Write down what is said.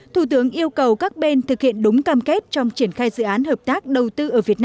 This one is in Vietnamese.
thủ tướng yêu cầu các bên thực hiện đúng cam kết trong chiến đấu